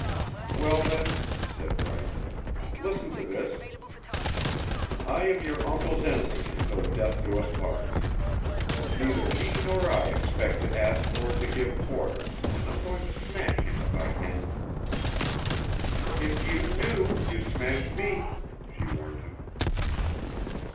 "Well, then," said Bryce, "listen to this: I am your uncle's enemy until death do us part. Neither he nor I expect to ask or to give quarter, and I'm going to smash him if I can." "If you do, you smash me," she warned him.